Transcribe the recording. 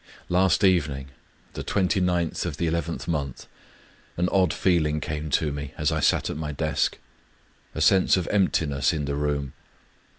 Last evening — the twenty ninth of the eleventh month — an odd feeling came to me as I sat at my desk: a sense of emptiness 'in the room.